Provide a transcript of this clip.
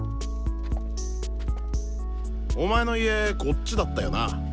お前の家こっちだったよな？